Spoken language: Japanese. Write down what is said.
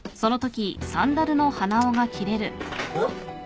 おっ！